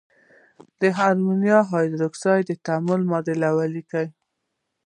د امونیم هایدرواکساید تعامل معادله ولیکئ.